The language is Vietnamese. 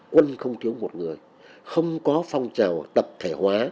quân không thiếu một người không có phong trào tập thể hóa